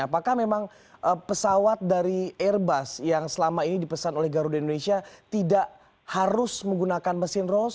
apakah memang pesawat dari airbus yang selama ini dipesan oleh garuda indonesia tidak harus menggunakan mesin rose